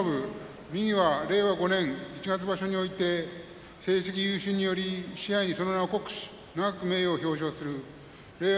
右は令和５年一月場所において成績優秀により賜盃に、その名を刻し永く名誉を表彰する令和